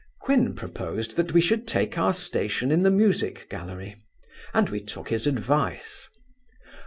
Quin proposed that we should take our station in the music gallery, and we took his advice.